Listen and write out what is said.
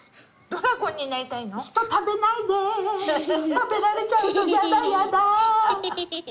食べられちゃうのやだやだ。